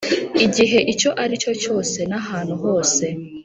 igihe icyo aricyo cyose nahantu hose